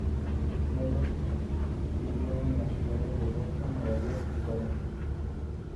Luego, siguieron las ciudades de Boston, Nueva York y Toronto.